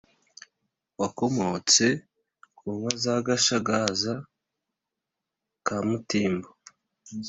wakomotse ku nka za gashagaza ka mutimbo